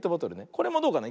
これもどうかな。